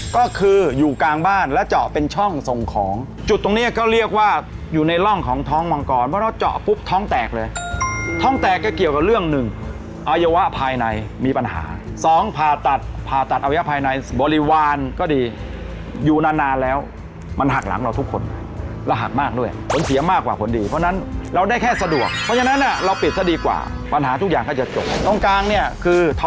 ก็คืออยู่กลางบ้านแล้วเจาะเป็นช่องส่งของจุดตรงเนี้ยก็เรียกว่าอยู่ในร่องของท้องมังกรเพราะเราเจาะปุ๊บท้องแตกเลยท้องแตกก็เกี่ยวกับเรื่องหนึ่งอัยวะภายในมีปัญหาสองผ่าตัดผ่าตัดอัยวะภายในบริวารก็ดีอยู่นานนานแล้วมันหักหลังเราทุกคนแล้วหักมากด้วยผลเสียมากกว่าผลดีเพราะฉะนั้นเราได้แค่ส